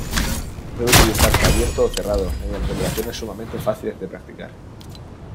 Puede utilizarse abierto o cerrado, mediante operaciones sumamente fáciles de practicar.